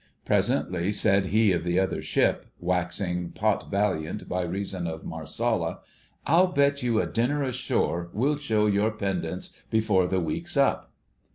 Presently said he of the other ship, waxing pot valiant by reason of Marsala, "I'll bet you a dinner ashore we'll show your pendants before the week's up."